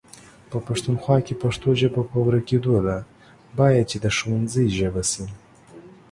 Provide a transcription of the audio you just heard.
په پښتونخوا کې پښتو ژبه په ورکيدو ده، بايد چې د ښونځي ژبه شي